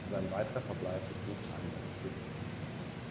Sein weiterer Verbleib ist nicht eindeutig geklärt.